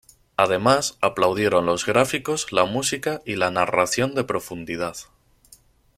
Además, aplaudieron los gráficos, la música, y la narración de profundidad.